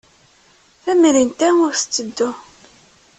Tamrint-a ur tetteddu.